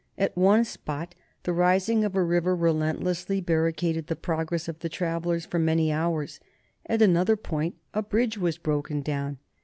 At one spot the rising of a river relentlessly barricaded the progress of the travellers for many hours. At another point a bridge was broken down.